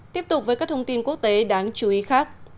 tiếp tục với các thông tin quốc tế đáng chú ý khác